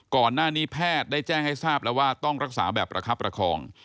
ก่อนหน้านี้แพทย์ได้แจ้งให้ทราบแล้วว่าต้องรักษาแบบประคับประคอง